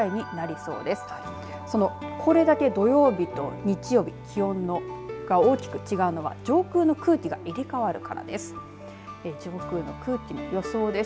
その、これだけ土曜日と日曜日気温が大きく違うのは上空の空気が入れ替わるからです。